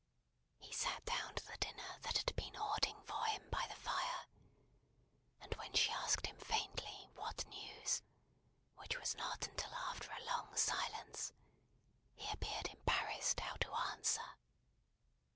He sat down to the dinner that had been hoarding for him by the fire; and when she asked him faintly what news (which was not until after a long silence), he appeared embarrassed how to answer.